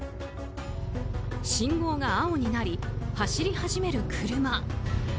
信号が青になり、走り始める車。